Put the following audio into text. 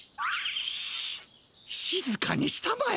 しっ静かにしたまえ。